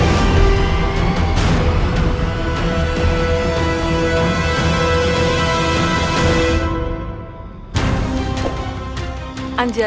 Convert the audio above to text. kita akan mencoba untuk mencoba